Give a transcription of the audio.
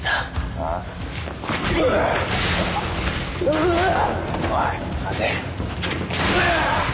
ああっ。